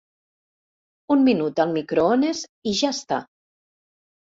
Un minut al microones i ja està.